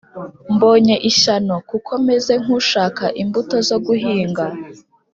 Mbonye ishyano kuko meze nk ushaka imbuto zo guhinga